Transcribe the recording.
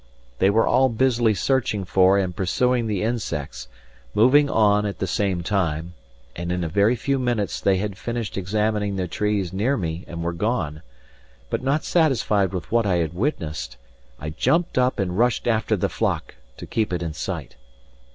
They were all busily searching for and pursuing the insects, moving on at the same time, and in a very few minutes they had finished examining the trees near me and were gone; but not satisfied with what I had witnessed, I jumped up and rushed after the flock to keep it in sight.